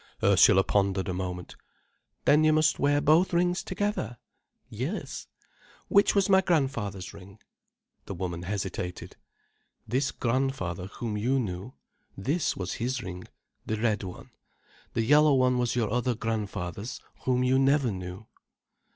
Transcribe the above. Ursula pondered a moment. "Then you must wear both rings together?" "Yes." "Which was my grandfather's ring?" The woman hesitated. "This grandfather whom you knew? This was his ring, the red one. The yellow one was your other grandfather's whom you never knew."